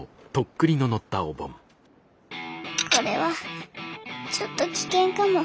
これはちょっと危険かも。